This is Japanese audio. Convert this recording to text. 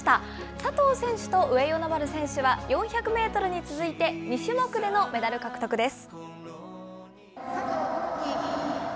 佐藤選手と上与那原選手は４００メートルに続いて、２種目でのメダル獲得です。